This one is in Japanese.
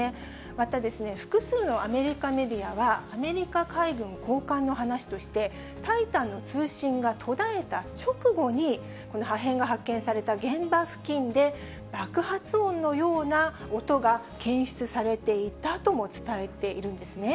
また、複数のアメリカメディアは、アメリカ海軍高官の話として、タイタンの通信が途絶えた直後に、破片が発見された現場付近で爆発音のような音が検出されていたとも伝えているんですね。